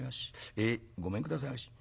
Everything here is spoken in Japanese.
ええごめんくださいまし」。